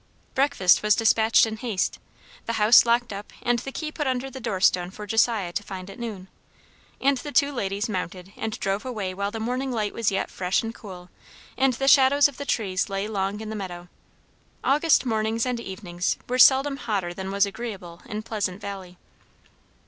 Breakfast was despatched in haste; the house locked up and the key put under the door stone for Josiah to find at noon; and the two ladies mounted and drove away while the morning light was yet fresh and cool, and the shadows of the trees lay long in the meadow. August mornings and evenings were seldom hotter than was agreeable in Pleasant Valley.